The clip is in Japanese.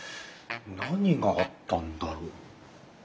何があったんだろう。